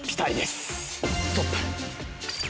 ストップ！